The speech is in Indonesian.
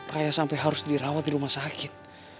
raya sampe harus dirawat di rumah sakit